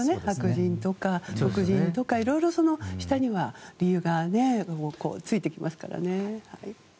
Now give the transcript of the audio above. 白人や黒人とかいろいろ下には理由がついてきますからね。